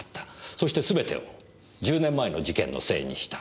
そしてすべてを１０年前の事件のせいにした。